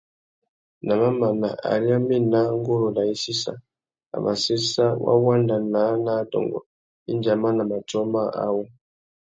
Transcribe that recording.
Nà mamana, ari a mà ena nguru râā i sissa, a mà séssa wa wanda naā nà adôngô indi a mana matiō mâā awô.